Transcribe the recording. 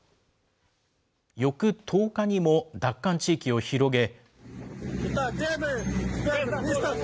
翌１０日にも奪還地域を広げ。